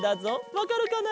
わかるかな？